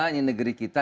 ini negeri kita